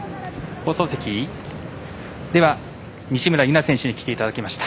放送席、西村優菜選手に来ていただきました。